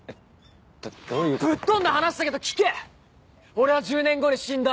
俺は１０年後に死んだ。